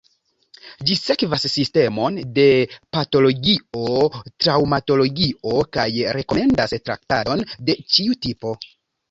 Ĝi sekvas sistemon de patologio-traŭmatologio kaj rekomendas traktadon de ĉiu tipo.